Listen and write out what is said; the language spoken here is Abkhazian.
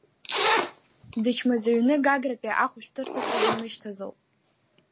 Дычмазаҩны Гагратәи ахәшәтәырҭаҿы данышьҭазоуп.